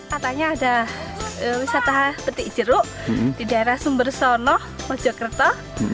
katanya ada wisata petik jeruk di daerah sumber sonoh mojokerto